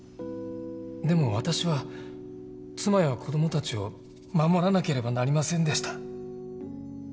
でも私は妻や子どもたちを守らなければなりませんでした。